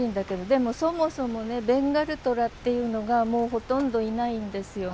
でもそもそもねベンガルトラっていうのがもうほとんどいないんですよ。